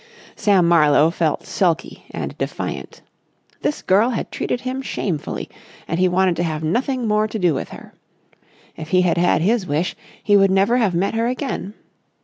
Sam Marlowe felt sulky and defiant. This girl had treated him shamefully and he wanted to have nothing more to do with her. If he had had his wish, he would never have met her again.